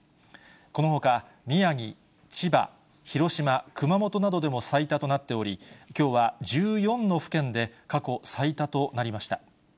このほか、宮城、千葉、広島、熊本などでも最多となっており、きょうは１４の府県で過去最多となりました。